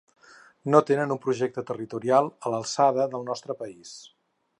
No tenen un projecte territorial a l’alçada del nostre país.